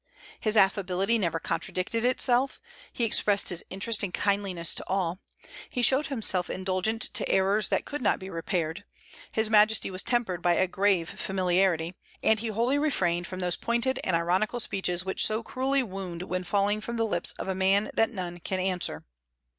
His affability never contradicted itself; he expressed interest and kindliness to all; he showed himself indulgent to errors that could not be repaired; his majesty was tempered by a grave familiarity; and he wholly refrained from those pointed and ironical speeches which so cruelly wound when falling from the lips of a man that none can answer.